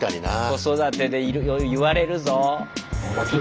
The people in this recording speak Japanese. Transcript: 子育てで言われるぞ。